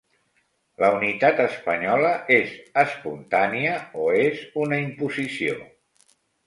La unitat espanyola, és espontània, o és una imposició?